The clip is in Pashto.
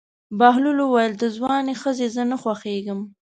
بهلول وویل: د ځوانې ښځې زه نه خوښېږم.